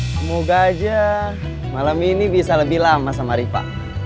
semoga aja malam ini bisa lebih lama sama ripa